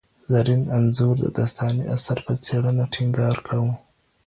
زرین انځور د داستاني اثر په څېړنه ټینګار کاوه.